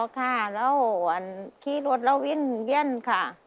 อ๋อคะเราขี้รถเราเว้ยนค่ะ